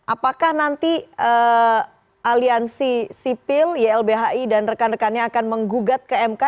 apakah nanti aliansi sipil ylbhi dan rekan rekannya akan menggugat ke mk